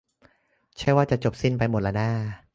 ใช่ว่าจะจบสิ้นไปหมดล่ะน่า